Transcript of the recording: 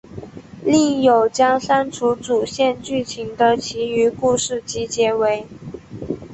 另有将删除主线剧情的其余故事集结为。